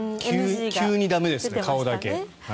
急に駄目ですね、顔だけ。